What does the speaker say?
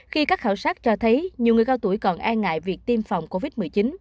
khi các khảo sát cho thấy nhiều người cao tuổi còn e ngại việc tiêm phòng covid một mươi chín